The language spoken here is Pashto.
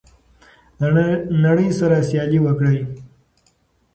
له نړۍ سره سیالي وکړئ.